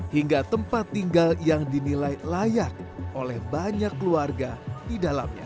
hingga tempat tinggal yang dinilai layak oleh banyak keluarga di dalamnya